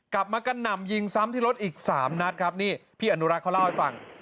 กระหน่ำยิงซ้ำที่รถอีกสามนัดครับนี่พี่อนุรักษ์เขาเล่าให้ฟัง